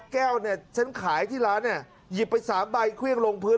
แก้วเนี่ยฉันขายที่ร้านเนี่ยหยิบไป๓ใบเครื่องลงพื้น